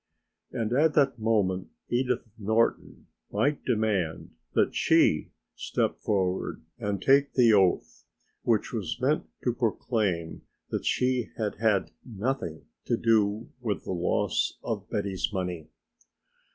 And at any moment Edith Norton might demand that she step forward and take the oath which was meant to proclaim that she had had nothing to do with the loss of Betty's money.